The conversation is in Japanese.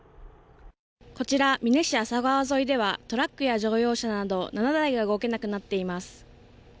こちら美祢市ではトラックや乗用車など、７台が動けなくなっています。